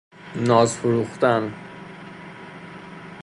ناز فروختن